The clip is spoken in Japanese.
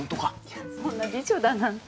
そんな美女だなんて。